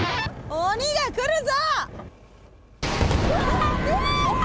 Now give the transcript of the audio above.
鬼が来るぞ！